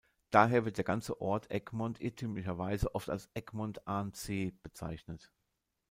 Daher wird der ganze Ort "Egmond" irrtümlicherweise oft als "Egmond aan Zee" bezeichnet.